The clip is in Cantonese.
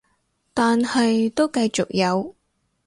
但係都繼續有